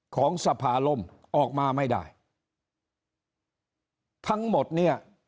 ของสภาล่มออกมาไม่ได้ทั้งหมดเนี่ย